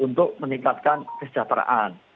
untuk meningkatkan kesejahteraan